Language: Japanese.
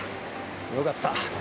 よかった。